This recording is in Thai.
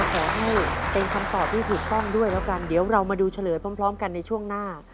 ขอให้เป็นคำตอบที่ถูกต้องด้วยแล้วกันเดี๋ยวเรามาดูเฉลยพร้อมกันในช่วงหน้า